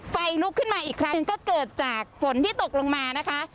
ไฟลุกขึ้นมาอีกครั้งก็เกิดจากฝนที่ตกลงมานะคะ